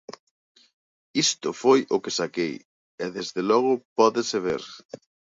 Isto foi o que saquei, e desde logo pódese ver.